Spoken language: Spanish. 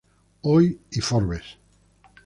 Hoy y Forbes.